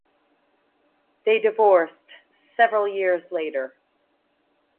They divorced several years later.